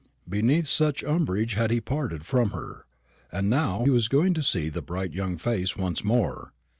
Beneath such umbrage had he parted from her. And now he was going to see the bright young face once more.